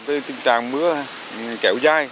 cái tình trạng mưa kéo dài